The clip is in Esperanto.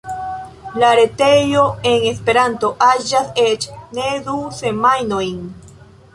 La retejo en Esperanto aĝas eĉ ne du semajnojn!